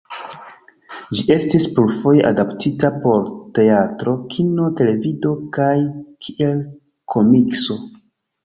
Ĝi estis plurfoje adaptita por teatro, kino, televido kaj kiel komikso.